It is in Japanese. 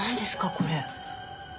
これ。